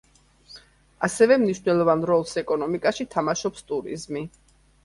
ასევე მნიშვნელოვან როლს ეკონომიკაში თამაშობს ტურიზმი.